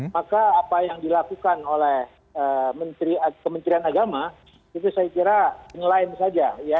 maka apa yang dilakukan oleh kementerian agama itu saya kira in line saja